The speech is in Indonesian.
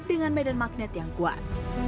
dengan medan magnet yang kuat